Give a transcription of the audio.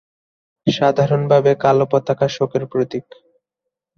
সাধারণভাবে কালো পতাকা শোকের প্রতীক।